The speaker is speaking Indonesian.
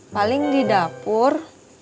paling di dapur